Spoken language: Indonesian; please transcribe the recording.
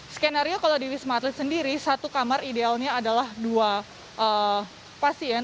skenario kalau di wisma atlet sendiri satu kamar idealnya adalah dua pasien